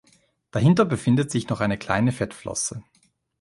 Dahinter befindet sich noch eine kleine Fettflosse.